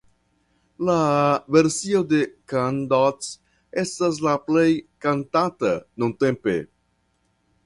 La versio de Candot estas la plej kantata nuntempe.